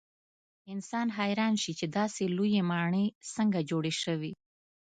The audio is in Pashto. انسان حیران شي چې داسې لویې ماڼۍ څنګه جوړې شوې.